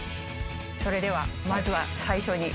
それではまずは最初に。